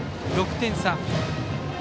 ６点差。